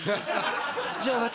じゃあ私